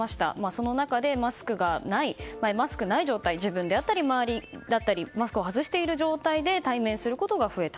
その中でマスクがない状態で自分であったり周りであったりがマスクを外している状態で対面することが増えた。